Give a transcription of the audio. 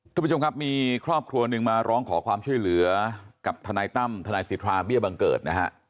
ทุกผู้ชมครับมีครอบครัวหนึ่งมาร้องขอความช่วยเหลือกับทนายตั้มทนายสิทธาเบี้ยบังเกิดนะฮะ